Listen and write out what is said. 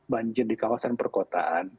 banjir di kawasan perkotaan